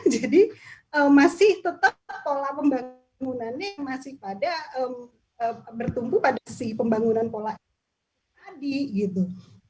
jadi masih tetap pola pembangunannya masih pada bertumpu pada si pembangunan pola tadi gitu